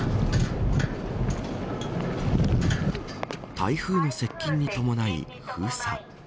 台風の接近に伴い、封鎖。